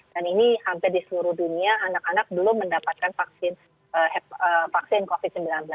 dan ini hampir di seluruh dunia anak anak belum mendapatkan vaksin covid sembilan belas